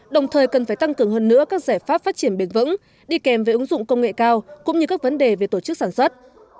đồng thời cần phải tăng cường hơn nữa các giải pháp phát triển bền vững đi kèm với ứng dụng công nghệ cao cũng như các vấn đề về tổ chức sản xuất